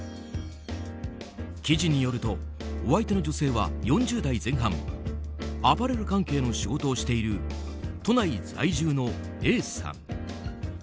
記事によるとお相手の女性は４０代前半アパレル関係の仕事をしている都内在住のＡさん。